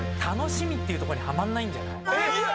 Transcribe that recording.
「楽しみ」っていうとこにはまんないんじゃない？